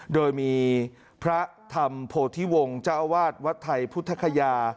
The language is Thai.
โดยมีพระธรรมโพธิวงศ์เจ้าอาวาสวัดไทยพุทธคยา